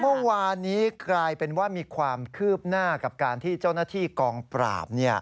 เมื่อวานนี้กลายเป็นว่ามีความคืบหน้ากับการที่เจ้าหน้าที่กองปราบ